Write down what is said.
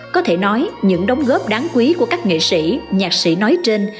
có thể nói những đóng góp đáng quý của các nghệ sĩ nhạc sĩ nói trên